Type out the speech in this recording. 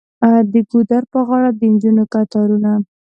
د ګودر په غاړه د نجونو کتارونه.